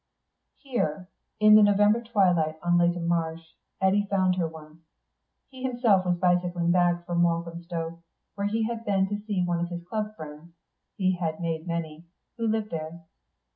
Here, in the November twilight on Leyton Marsh, Eddy found her once. He himself was bicycling back from Walthamstow, where he had been to see one of his Club friends (he had made many) who lived there.